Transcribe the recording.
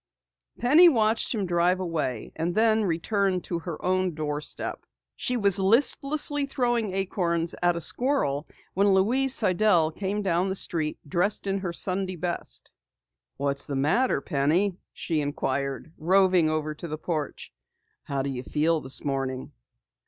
Penny watched him drive away, and then returned to her own doorstep. She was listlessly throwing acorns at a squirrel when Louise Sidell came down the street, dressed in her Sunday best. "What's the matter, Penny?" she inquired, roving over to the porch. "How do you feel this morning?"